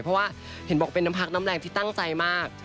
เพราะว่าเห็นบอกเป็นน้ำพักน้ำแรงที่ตั้งใจมาก